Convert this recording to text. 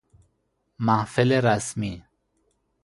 محفل رسمی